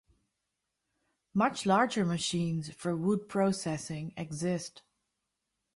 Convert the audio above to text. Much larger machines for wood processing exist.